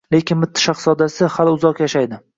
Lekin Mitti Shahzodasi hali uzoq yashaydi